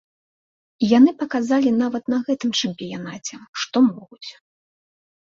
Яны паказалі нават на гэтым чэмпіянаце, што могуць.